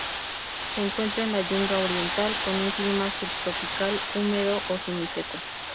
Se encuentra en la Yunga oriental, con un clima subtropical húmedo o semiseco.